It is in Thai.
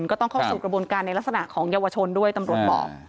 ก็ต้องเข้าสู่กระบวนการในลักษณะของเยาวชนด้วยตำรวจบอก